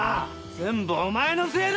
全部お前のせいだ！